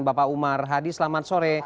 bapak umar hadi selamat sore